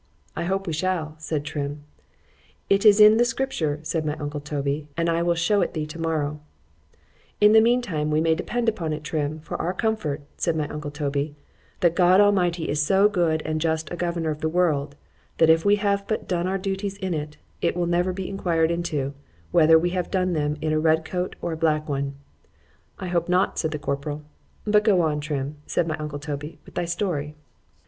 ——I hope we shall, said Trim.——It is in the Scripture, said my uncle Toby; and I will shew it thee to morrow:—In the mean time we may depend upon it, Trim, for our comfort, said my uncle Toby, that God Almighty is so good and just a governor of the world, that if we have but done our duties in it,—it will never be enquired into, whether we have done them in a red coat or a black one:——I hope not, said the corporal——But go on, Trim, said my uncle Toby, with thy story.